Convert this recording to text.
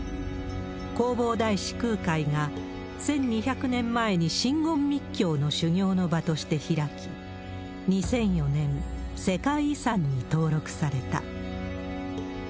弘法大師空海が、１２００年前に真言密教の修行の場として開き、２００４年、世界遺産に登録された。